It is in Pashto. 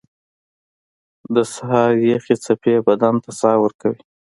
• د سهار یخې څپې بدن ته ساه ورکوي.